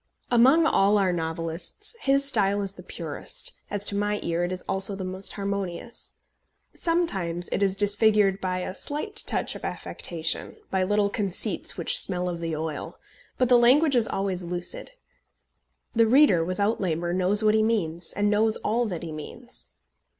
Among all our novelists his style is the purest, as to my ear it is also the most harmonious. Sometimes it is disfigured by a slight touch of affectation, by little conceits which smell of the oil; but the language is always lucid. The reader, without labour, knows what he means, and knows all that he means.